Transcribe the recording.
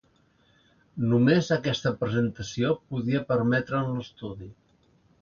Només aquesta presentació podia permetre'n l'estudi.